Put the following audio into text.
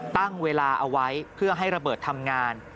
ตั้งเวลาเอาไว้เพื่อให้ระเบิดทำงาน